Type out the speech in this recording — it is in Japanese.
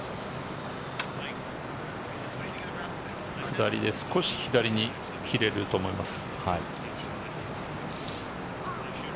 下りで少し左に切れると思います。